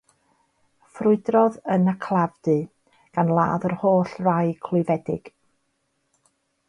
Ffrwydrodd yn y clafdy, gan ladd yr holl rai clwyfedig.